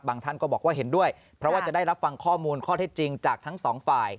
ท่านก็บอกว่าเห็นด้วยเพราะว่าจะได้รับฟังข้อมูลข้อเท็จจริงจากทั้งสองฝ่าย